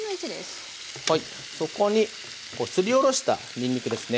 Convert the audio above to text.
そこにすりおろしたにんにくですね。